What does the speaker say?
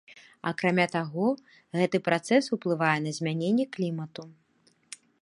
Акрамя таго, гэты працэс уплывае на змяненне клімату.